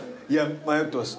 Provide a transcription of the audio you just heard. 迷ってます。